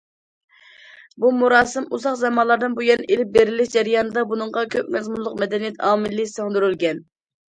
بۇ مۇراسىم ئۇزاق زامانلاردىن بۇيان ئېلىپ بېرىلىش جەريانىدا، بۇنىڭغا كۆپ مەزمۇنلۇق مەدەنىيەت ئامىلى سىڭدۈرۈلگەن.